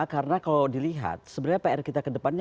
karena kalau dilihat sebenarnya pr kita ke depannya